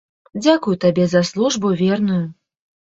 Дзякую табе за службу верную!